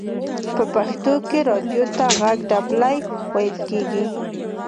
په پښتو کې رادیو ته ژغ ډبلی ویل کیږی.